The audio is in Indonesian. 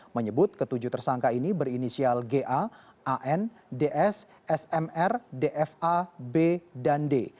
menyebut ketujuh tersangka ini berinisial ga an ds smr dfa b dan d